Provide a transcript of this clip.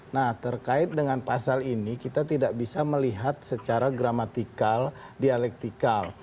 nah terkait dengan pasal ini kita tidak bisa melihat secara gramatikal dialektikal